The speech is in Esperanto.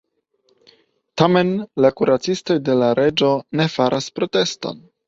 Tamen, la kuracistoj de la reĝo ne faras proteston.